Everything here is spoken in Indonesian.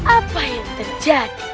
apa yang terjadi